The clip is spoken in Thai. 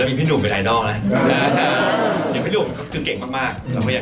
แล้วมีพี่หนุ่มเป็นไอดอลนะอย่างพี่หนุ่มเขาคือเก่งมาก